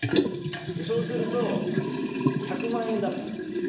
そうすると、１００万円だったんです。